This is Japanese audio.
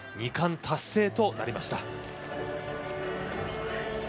２冠達成となりました。